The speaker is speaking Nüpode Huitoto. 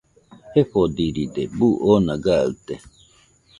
Jefodiride, buu oona gaɨte